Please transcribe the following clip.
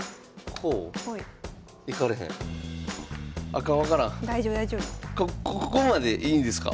ここまでいいんですか？